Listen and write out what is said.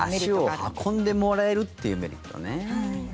足を運んでもらえるっていうメリットね。